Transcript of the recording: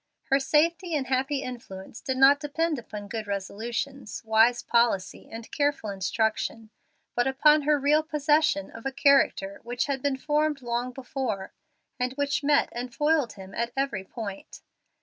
Her safety and happy influence did not depend upon good resolutions, wise policy, and careful instruction, but upon her real possession of a character which had been formed long before, and which met and foiled him at every point.